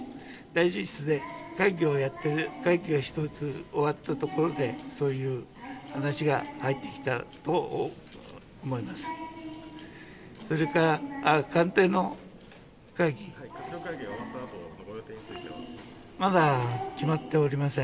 大臣室で会議をやって、会議が１つ終わったところで、そういう話が入ってきたと思います。